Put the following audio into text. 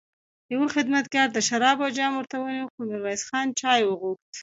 يوه خدمتګار د شرابو جام ورته ونيو، خو ميرويس خان چای وغوښت.